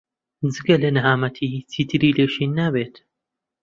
جگە لە نەهامەتی چیتری لێ شین نابیت.